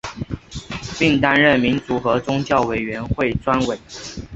并担任民族和宗教委员会专委。